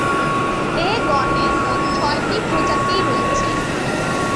এ গণে মোট ছয়টি প্রজাতি রয়েছে।